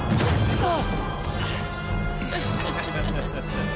あっ。